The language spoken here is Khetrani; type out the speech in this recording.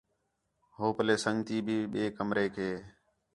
ہو پلے سنڳتی بھی ٻئے کمریک ہے